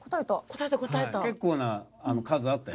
答えた答えた。